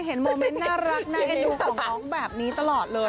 โมเมนต์น่ารักน่าเอ็นดูของน้องแบบนี้ตลอดเลย